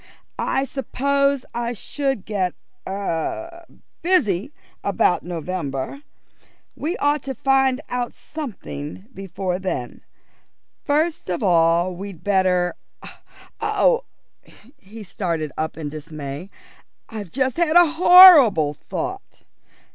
"I suppose I should get er busy about November. We ought to find out something before then. First of all we'd better Oh!" He started up in dismay. "I've just had a horrible thought.